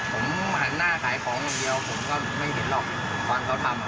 ผมหันหน้าขายของอย่างเดียวก็ไม่เห็นหรอกความก้าวทำแหละครับ